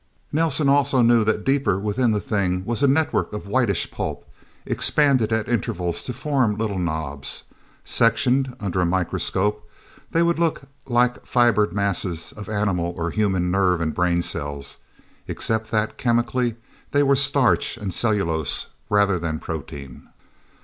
Nelsen also knew that deeper within the thing was a network of whitish pulp, expanded at intervals to form little knobs. Sectioned, under a microscope, they would look like fibred masses of animal or human nerve and brain cells, except that, chemically, they were starch and cellulose rather than protein.